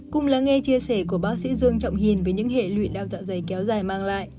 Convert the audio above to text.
cùng là nghe chia sẻ của bác sĩ dương trọng hìn với những hệ luyện đau dạ dày kéo dài mang lại